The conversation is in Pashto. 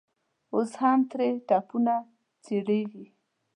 اوس هم ترې تپونه خېژي.